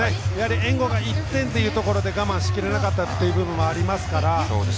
援護が１点というところで我慢しきれなかったという打点がありますから。